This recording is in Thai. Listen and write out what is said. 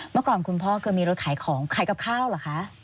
เมื่อก่อนคุณพ่อเคยมีรถขายของขายกับข้าวเหรอคะ